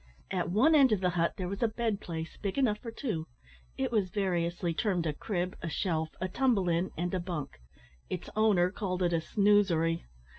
At one end of the hut there was a bed place, big enough for two; it was variously termed a crib, a shelf, a tumble in, and a bunk. Its owner called it a "snoosery."